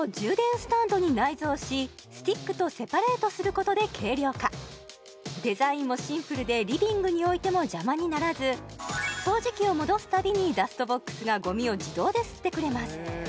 この細い中にはデザインもシンプルでリビングに置いても邪魔にならず掃除機を戻すたびにダストボックスがゴミを自動で吸ってくれます